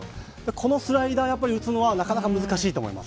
このスライダーを打つのは、なかなか難しいと思います。